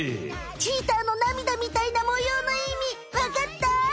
チーターの涙みたいな模様のいみわかった？